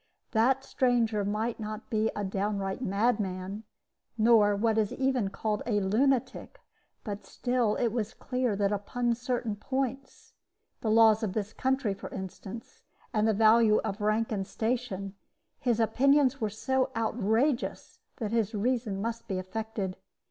That stranger might not be a downright madman, nor even what is called a lunatic; but still it was clear that upon certain points the laws of this country, for instance, and the value of rank and station his opinions were so outrageous that his reason must be affected.